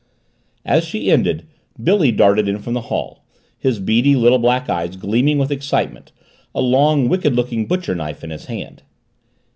As she ended, Billy darted in from the hall, his beady little black eyes gleaming with excitement, a long, wicked looking butcher knife in his hand.